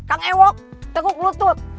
kang ewok teguk lutut